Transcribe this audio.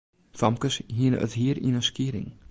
Famkes hiene it hier yn in skieding.